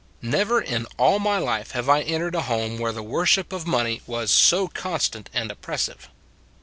Never in all my life have I entered a home where the worship of money was so constant and oppressive.